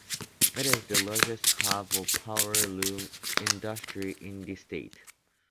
It is the largest hub for Power Loom industry in the state.